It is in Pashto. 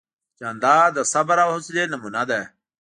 جانداد د صبر او حوصلې نمونه ده.